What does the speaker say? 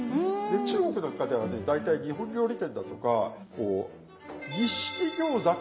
中国なんかではね大体日本料理店だとかこう「日式餃子」ってね書いてんですよ。